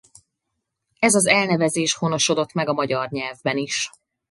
Ez az elnevezés honosodott meg a magyar nyelvben is.